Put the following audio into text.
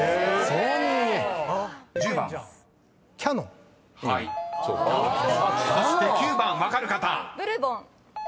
［そして９番分かる方］